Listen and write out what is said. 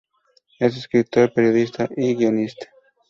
Es escritor, periodista y guionista.